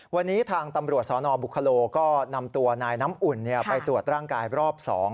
วันนี้ทางตำรวจสนบุคโลก็นำตัวนายน้ำอุ่นไปตรวจร่างกายรอบ๒